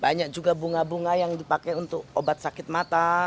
banyak juga bunga bunga yang dipakai untuk obat sakit mata